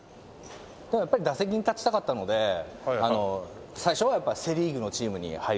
やっぱり打席に立ちたかったので最初はセ・リーグのチームに入りたかったですね。